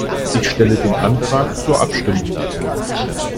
Ich stelle den Antrag zur Abstimmung.